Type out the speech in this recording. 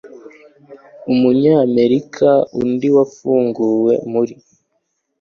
Umunyamerika undi wafunguwe muri